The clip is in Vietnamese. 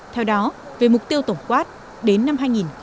theo đó về mục tiêu tổng quát đến năm hai nghìn ba mươi